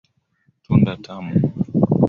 Tunda tamu.